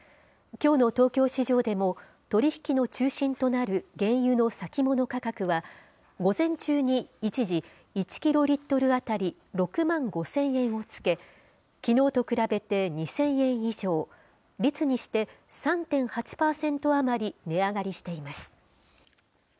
きょうの東京市場でも、取り引きの中心となる原油の先物価格は、午前中に一時、１キロリットル当たり６万５０００円をつけ、きのうと比べて２０００円以上、率にして３．８％余り値上がりしています。